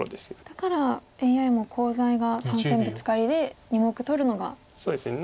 だからＡＩもコウ材が３線ブツカリで２目取るのがいいと言ってたんですか。